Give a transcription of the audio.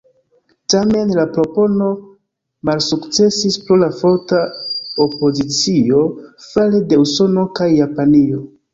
Tamen, la propono malsukcesis pro la forta opozicio fare de Usono kaj Japanio.